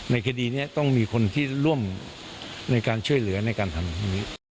ในคดีนี้ต้องมีคนที่ร่วมในการช่วยเหลือในการทำพวกนี้